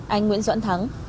anh nguyễn doãn thắng